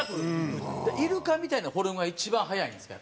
イルカみたいなフォルムが一番速いんですか？